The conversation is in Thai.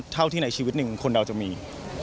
เท่าที่ในชีวิตหนึ่งคนเราจะมี